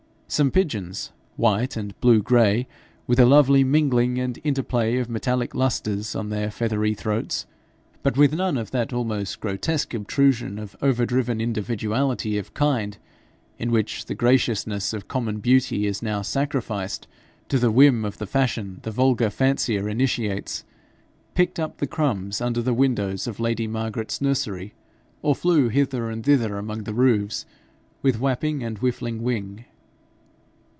Some pigeons, white, and blue grey, with a lovely mingling and interplay of metallic lustres on their feathery throats, but with none of that almost grotesque obtrusion of over driven individuality of kind, in which the graciousness of common beauty is now sacrificed to the whim of the fashion the vulgar fancier initiates, picked up the crumbs under the windows of lady Margaret's nursery, or flew hither and thither among the roofs with wapping and whiffling wing.